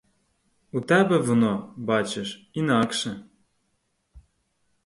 У тебе воно, бачиш, інакше.